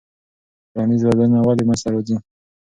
ټولنیز بدلونونه ولې منځ ته راځي؟